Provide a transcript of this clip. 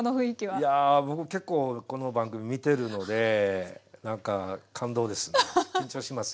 いや僕結構この番組見てるので何か感動です。